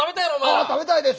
ああ食べたいです！